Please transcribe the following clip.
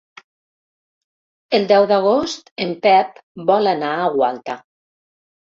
El deu d'agost en Pep vol anar a Gualta.